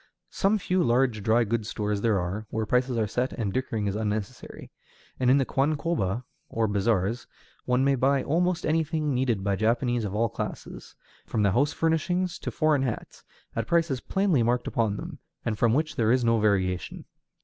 Some few large dry goods stores there are, where prices are set and dickering is unnecessary;[*264] and in the kwankoba, or bazaars, one may buy almost anything needed by Japanese of all classes, from house furnishings to foreign hats, at prices plainly marked upon them, and from which there is no variation.